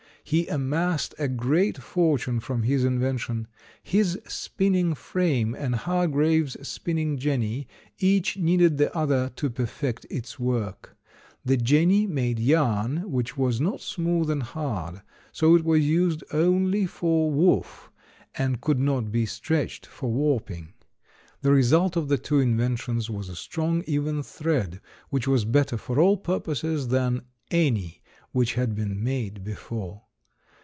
He amassed a great fortune from his invention. His spinning frame and Hargreaves' spinning jenny each needed the other to perfect its work. The jenny made yarn which was not smooth and hard. So it was used only for woof, and could not be stretched for warping. The result of the two inventions was a strong, even thread which was better for all purposes than any which had been made before.